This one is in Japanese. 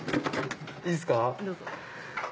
いいっすか？